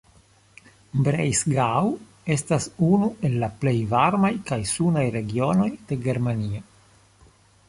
Breisgau estas unu el la plej varmaj kaj sunaj regionoj de Germanio.